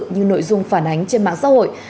như nội dung phản ánh trên mạng xã hội